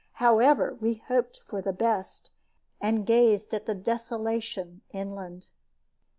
However, we hoped for the best, and gazed at the desolation inland.